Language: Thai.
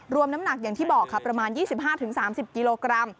น้ำหนักอย่างที่บอกค่ะประมาณ๒๕๓๐กิโลกรัม